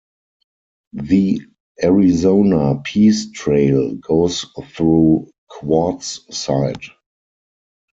The Arizona Peace Trail goes through Quartzsite.